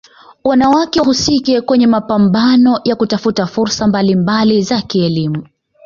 wanawake wahusike kwenye mapambano ya kutafuta fursa mbalimbali za kielimu